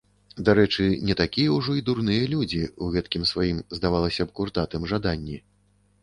Дарэчы, не такія ўжо і дурныя людзі ў гэткім сваім, здавалася б, куртатым жаданні.